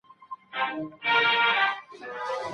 منډېلا ورته په نرمۍ سره وکتل.